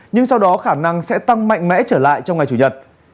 nhưng sau đó khả năng sẽ tăng mạnh mẽ trở lại trong ngày chủ nhật